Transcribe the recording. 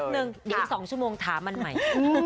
เดี๋ยวสองชั่วโมงถามันใหม่